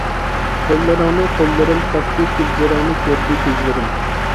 قوللىرىڭنى قوللىرىم تاپتى، كۆزلىرىڭنى كۆردى كۆزلىرىم.